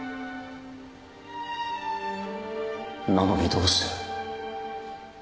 なのにどうして。